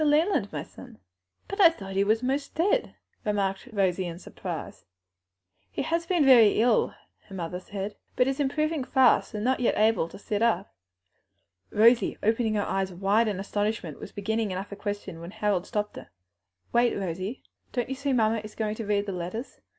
Leland, my son." "But I thought he was most dead," remarked Rosie in surprise. "He has been very ill," her mother said, "but is improving fast, though not yet able to sit up." Rosie, opening her eyes wide in astonishment, was beginning another question when Harold stopped her. "Wait, Rosie, don't you see mamma is going to read the letters?